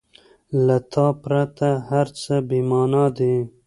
• له تا پرته هر څه بېمانا دي.